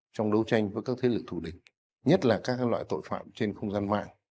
trong đấu tranh với các thế lực thù địch nhất là các loại tội phạm trên không gian mạng